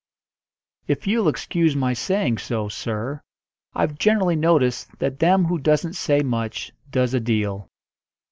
"If you'll excuse my saying so, sir, I've generally noticed that them who doesn't say much does a deal."